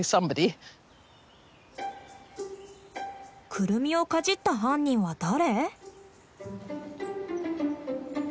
クルミをかじった犯人は誰？